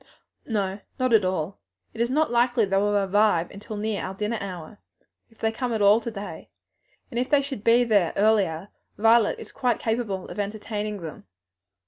"No, not at all, it is not likely they will arrive until near our dinner hour if they come at all to day, and if they should be there earlier, Violet is quite capable of entertaining them."